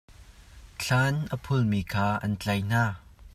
Thlan a phulmi kha an tlaih hna.